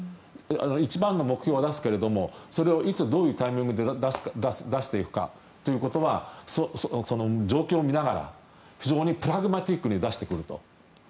一番の目標は出すけど、それをいつ、どういうタイミングで出していくかということは状況を見ながら非常にプラグマティックに出してくると。